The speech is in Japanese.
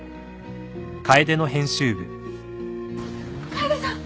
楓さん！